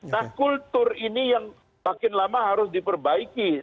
nah kultur ini yang makin lama harus diperbaiki